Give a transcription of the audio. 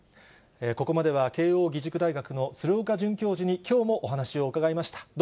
ここまでは、慶応義塾大学の鶴岡准教授にきょうもお話を伺いました。